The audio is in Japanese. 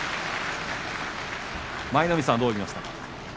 舞の海さん、どう見ましたか？